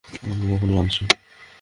আমি এখনি আনছি।